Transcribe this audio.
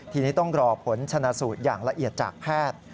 ทีนี้ต้องรอผลชนะสูตรอย่างละเอียดจากแพทย์